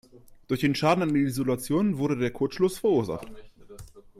Durch den Schaden an der Isolation wurde der Kurzschluss verursacht.